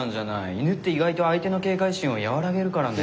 犬って意外と相手の警戒心を和らげるからね。